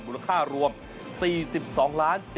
มูลค่ารวม๔๒ล้าน